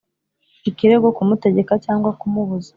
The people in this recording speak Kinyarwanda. ikirego kumutegeka cyangwa kumubuza